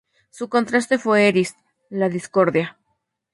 Su contraste fue Eris: la discordia.